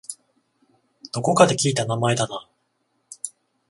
どこかで聞いた名前だな